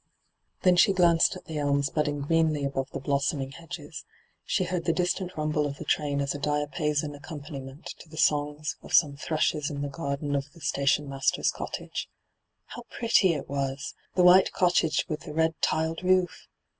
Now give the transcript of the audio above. Then she glanced at the elms budding greenly above the blossoming hedges ; she beard the distant rumble of the train as a diapason accompani ment to the songs of some thrushes in the garden of the stationmaster's cottf^e. How pretty it was — the white cottage with the red tiled roof!